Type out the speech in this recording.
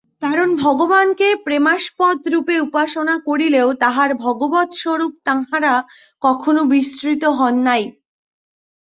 কারণ ভগবানকে প্রেমাস্পদরূপে উপাসনা করিলেও তাঁহার ভগবৎস্বরূপ তাঁহারা কখনও বিস্মৃত হন নাই।